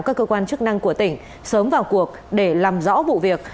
các cơ quan chức năng của tỉnh sớm vào cuộc để làm rõ vụ việc